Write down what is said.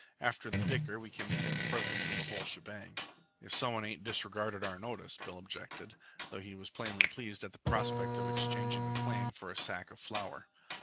After the dicker we can make him a present of the whole shebang." "If somebody ain't disregarded our notice," Bill objected, though he was plainly pleased at the prospect of exchanging the claim for a sack of flour.